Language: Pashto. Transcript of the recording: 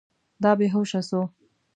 دا بې هوشه سو.